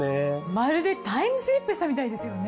まるでタイムスリップしたみたいですよね。